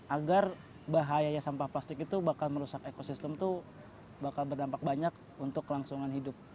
agar bahayanya sampah plastik itu bakal merusak ekosistem itu bakal berdampak banyak untuk kelangsungan hidup